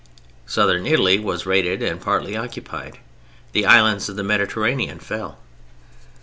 Southern Italy was raided and partly occupied. The islands of the Mediterranean fell.